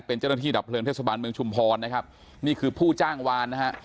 เป็นเจ้าหน้าที่ดับเพลิงเทศบาลเมืองชุมพรนะครับนี่คือผู้จ้างวานนะฮะ